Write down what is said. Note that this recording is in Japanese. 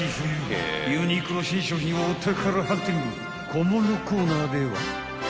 ［小物コーナーでは］